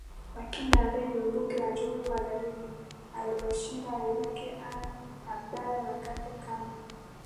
makinda ambaye ni mbunge wa jombe magharibi aliwashinda wenzake anna abdala na cate kamba